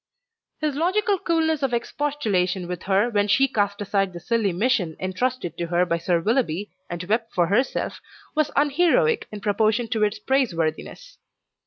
His logical coolness of expostulation with her when she cast aside the silly mission entrusted to her by Sir Willoughby and wept for herself, was unheroic in proportion to its praiseworthiness.